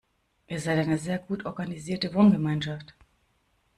Ihr seid eine sehr gut organisierte Wohngemeinschaft.